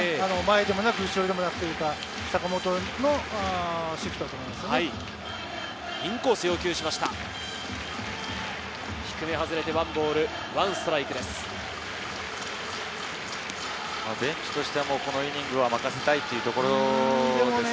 前でもなく、後ろでもなく、坂本のシフトだと思います。